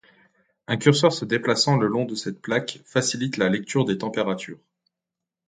Un curseur se déplaçant le long de cette plaque facilite la lecture des températures.